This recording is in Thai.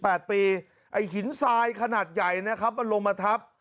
ไอ้หินทรายขนาดใหญ่นะครับมันลงมาทับ